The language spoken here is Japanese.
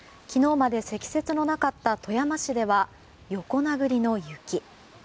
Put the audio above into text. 昨日まで積雪のなかった富山市では横殴りの雪。